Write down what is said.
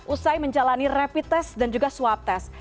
usai menjalani rapid test dan juga swab test